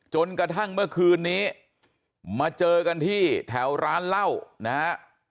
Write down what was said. จนกระทั่งเมื่อคืนนี้มาเจอกันที่แถวร้านเหล้านะฮะ